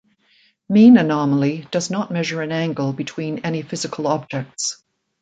Mean anomaly does not measure an angle between any physical objects.